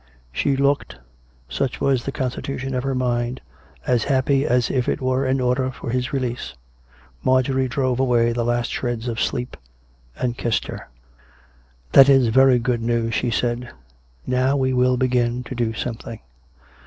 She looked — such was the constitution of her mind — as happy as if it were an order for his release. Marjorie drove away the last shreds of sleep; and kissed her. " That is very good news," she said. " Now we will begin to do something."